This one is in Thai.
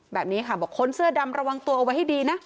แบบนี้ค่ะบอกคนเสื้อดำระวังตัวเอาไว้ให้ดีนะ